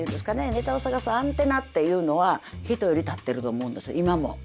ネタを探すアンテナっていうのは人より立ってると思うんです今も。